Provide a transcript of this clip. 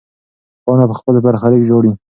پاڼه په خپل برخلیک ژاړي.